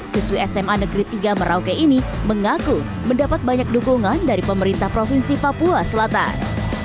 siswi sma negeri tiga merauke ini mengaku mendapat banyak dukungan dari pemerintah provinsi papua selatan